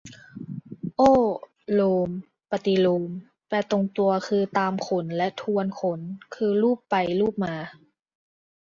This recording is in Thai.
โอ้โลม ปฏิโลม แปลตรงตัวคือตามขนและทวนขน คือลูบไปลูบมา